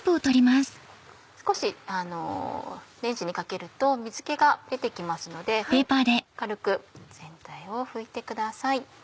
少しレンジにかけると水気が出て来ますので軽く全体を拭いてください。